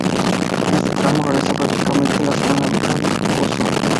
En este tramo realiza prácticamente la segunda mitad de su curso.